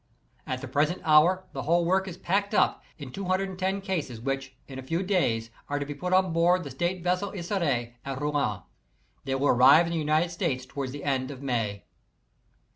I At the present hour the whole work is packed up ii j 2 ID cases which in a few days are to be put on boarc . I . the State vessel Isere at Rouen, They will arrive in th< { United States toward the end of May.